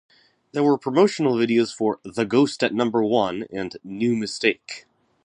There were promotional videos for "The Ghost at Number One" and "New Mistake".